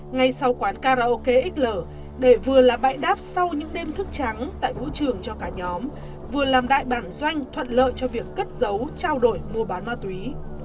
ngay sau quán karaoke xl để vừa là bãi đáp sau những đêm thức trắng tại vũ trường cho cả nhóm vừa làm đại bản doanh thuận lợi cho việc cất giấu trao đổi mua bán ma túy